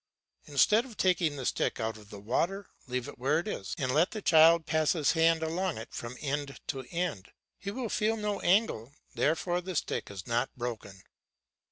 Instead of taking the stick out of the water, leave it where it is and let the child pass his hand along it from end to end; he will feel no angle, therefore the stick is not broken.